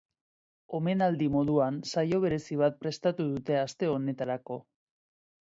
Omenaldi moduan, saio berezi bat prestatu dute aste honetarako.